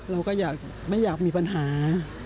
เราก็ไม่อยากมีปัญหา